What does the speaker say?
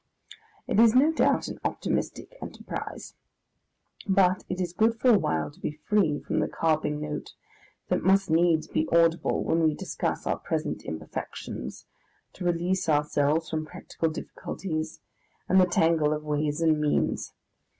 It is no doubt an optimistic enterprise. But it is good for awhile to be free from the carping note that must needs be audible when we discuss our present imperfections, to release ourselves from practical difficulties and the tangle of ways and means.